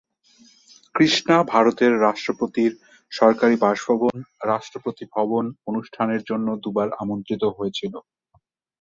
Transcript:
কৃষ্ণা ভারতের রাষ্ট্রপতির সরকারী বাসভবন রাষ্ট্রপতি ভবনে অনুষ্ঠানের জন্য দু'বার আমন্ত্রিত হয়েছিল।